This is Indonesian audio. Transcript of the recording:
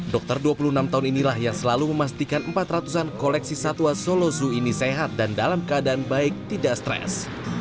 dokter dua puluh enam tahun inilah yang selalu memastikan empat ratus an koleksi satwa solo zu ini sehat dan dalam keadaan baik tidak stres